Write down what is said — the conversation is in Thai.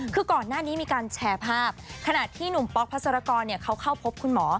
คือก่อนหน้านี้มีการแชร์ภาพขณะที่หนุ่มป๊อกพัสรกรเขาเข้าพบคุณหมอ